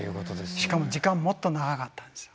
しかも時間もっと長かったんですよ。